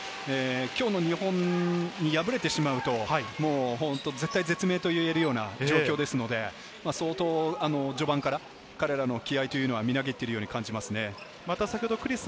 今日の日本に敗れてしまうと、もう絶体絶命と言えるような状況ですので、相当序盤から彼らの気合がみなぎっているように感じますね。